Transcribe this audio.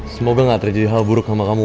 semoga gak terjadi hal buruk sama kamu